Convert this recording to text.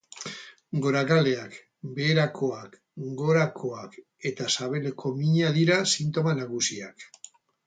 Goragaleak, beherakoak, gorakoak eta sabeleko mina dira sintoma nagusiak.